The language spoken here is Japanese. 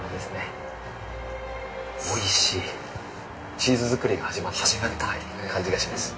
チーズ作りが始まったって感じがします。